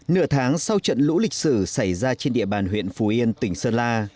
nửa tháng sau trận lũ lịch sử xảy ra trên địa bàn huyện phù yên tỉnh sơn la